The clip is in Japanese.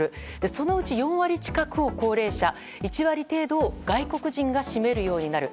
そのうち４割近くを高齢者１割近くを外国人が占めるようになる。